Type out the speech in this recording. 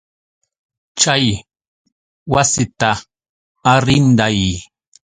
Chay wasita arrinday.